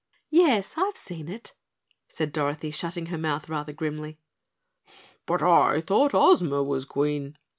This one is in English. "Yes, I've seen it," said Dorothy, shutting her mouth rather grimly. "But I thought Ozma was Queen?"